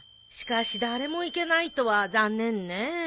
しかし誰も行けないとは残念ねえ。